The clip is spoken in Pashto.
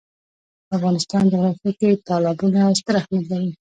د افغانستان جغرافیه کې تالابونه ستر اهمیت لري.